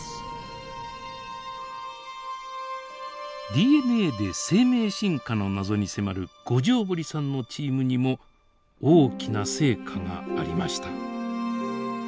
ＤＮＡで生命進化の謎に迫る五條堀さんのチームにも大きな成果がありました。